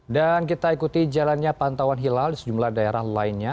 dan kita ikuti jalannya pantauan hilal di sejumlah daerah lainnya